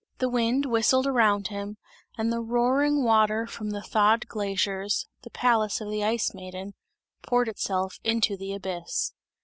The wind whistled around him and the roaring water from the thawed glaciers, the palace of the Ice Maiden, poured itself into the abyss.